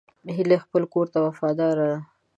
هیلۍ خپل کور ته وفاداره ده